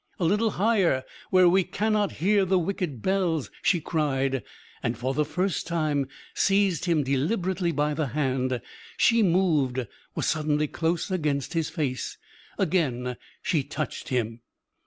"A little higher where we cannot hear the wicked bells," she cried, and for the first time seized him deliberately by the hand. She moved, was suddenly close against his face. Again she touched him.